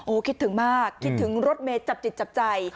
คิดถึงมากคิดถึงรถเมย์จับจิตจับใจ